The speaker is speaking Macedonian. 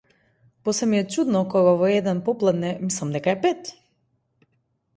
После ми е чудно кога во еден попладне мислам дека е пет.